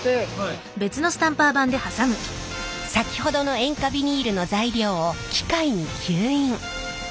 先ほどの塩化ビニールの材料を機械に吸引。